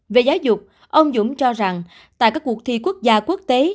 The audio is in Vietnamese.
về giáo dục ông dũng cho rằng tại các cuộc thi quốc gia quốc tế